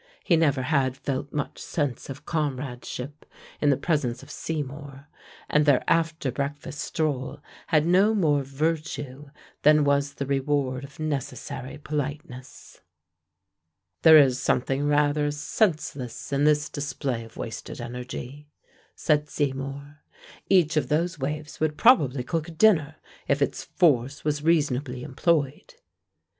He never had felt much sense of comradeship in the presence of Seymour, and their after breakfast stroll had no more virtue than was the reward of necessary politeness. "There is something rather senseless in this display of wasted energy," said Seymour. "Each of those waves would probably cook a dinner, if its force was reasonably employed."